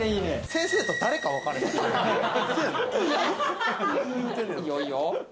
先生と誰か分からない。